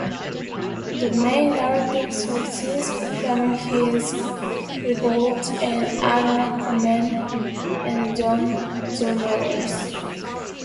The main narrative sources for his revolt are Anna Komnene and John Zonaras.